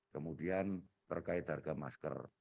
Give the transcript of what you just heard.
kemudian terkait harga masker